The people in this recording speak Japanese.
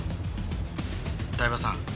「台場さん」